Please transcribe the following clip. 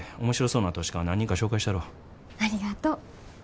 ありがとう。